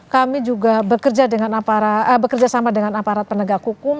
kami juga bekerja dengan aparat bekerja sama dengan aparat penegak hukum